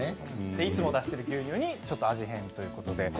いつも出している牛乳にちょっと味変ということで。